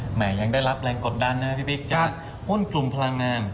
แหมงยังได้รับแรงกดดันนะครับพี่ปิ๊กจากหุ้นกลุ่มพลังงาน